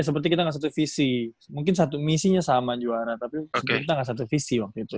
seperti kita gak satu visi mungkin satu misinya sama juara tapi kita nggak satu visi waktu itu